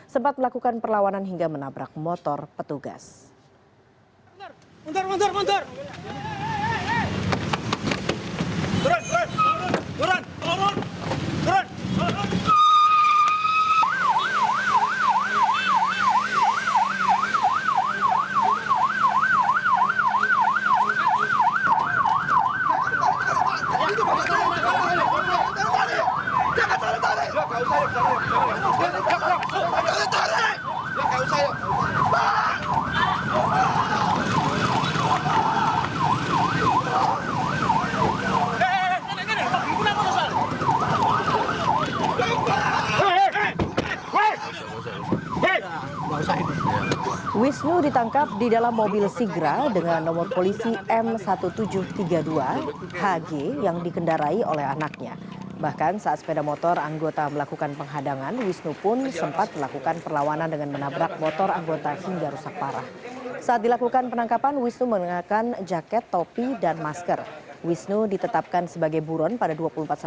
sempat melakukan perlawanan hingga menabrak motor petugas